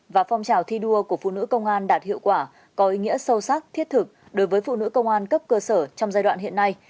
và phong trào thi đua của phụ nữ công an đạt hiệu quả có ý nghĩa sâu sắc thiết thực đối với phụ nữ công an cấp cơ sở trong giai đoạn hiện nay